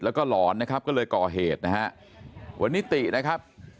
แล้วก็ร้อนนะครับก็เลยก่อเหตุนะเฮะ